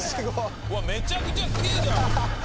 めちゃくちゃすげぇじゃん！